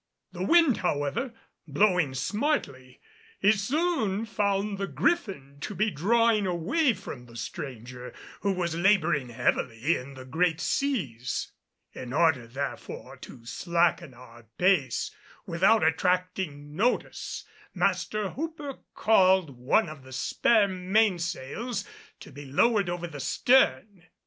The wind however blowing smartly, he soon found the Griffin to be drawing away from the stranger, who was laboring heavily in the great seas. In order therefore to slacken our pace without attracting notice, Master Hooper caused one of the spare mainsails to be lowered over the stern.